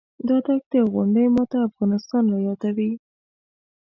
دا دښتې او غونډۍ ماته افغانستان رایادوي.